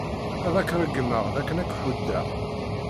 Ad ak-ṛeggmeɣ dakken ad k-ḥuddeɣ.